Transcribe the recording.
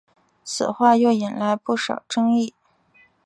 此话又引来不少争议。